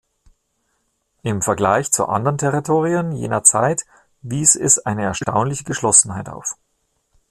Im Vergleich zu anderen Territorien jener Zeit wies es eine erstaunliche Geschlossenheit auf.